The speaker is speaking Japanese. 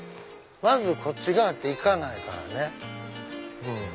まずこっち側って行かないからね。